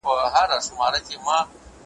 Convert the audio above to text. لکه شاعر د زړه په وینو مي نظمونه لیکم ,